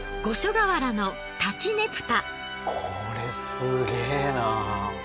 これすげえなぁ。